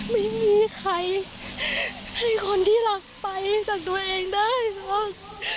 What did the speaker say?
ไม่มีใครให้คนที่รักไปจากตัวเองได้หรอก